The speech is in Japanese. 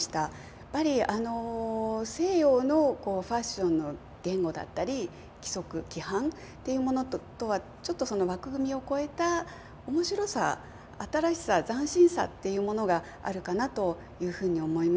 やっぱり西洋のファッションの言語だったり規則規範っていうものとはちょっとその枠組みを超えた面白さ新しさ斬新さっていうものがあるかなというふうに思います。